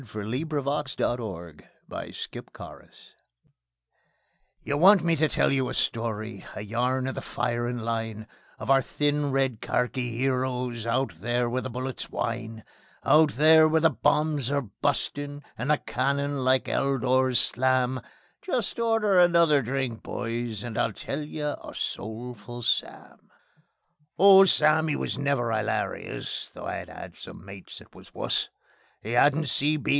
The Ballad of Soulful Sam You want me to tell you a story, a yarn of the firin' line, Of our thin red kharki 'eroes, out there where the bullets whine; Out there where the bombs are bustin', and the cannons like 'ell doors slam Just order another drink, boys, and I'll tell you of Soulful Sam. Oh, Sam, he was never 'ilarious, though I've 'ad some mates as was wus; He 'adn't C. B.